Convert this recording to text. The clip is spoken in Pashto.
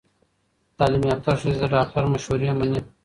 تعلیم یافته ښځې د ډاکټر مشورې مني۔